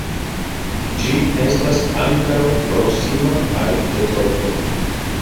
Ĝi estas ankaŭ proksima al Detrojto.